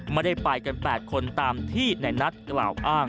ไม่ได้ปลายกัน๘คนตามที่นายนัทกล่าวอ้าง